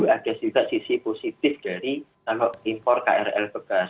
ada juga sisi positif dari kalau impor krl bekas